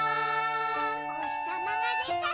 「おひさまがでたら」